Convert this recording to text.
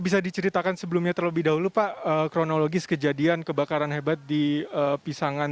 bisa diceritakan sebelumnya terlebih dahulu pak kronologis kejadian kebakaran hebat di pisangan